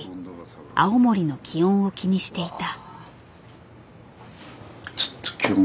青森の気温を気にしていた。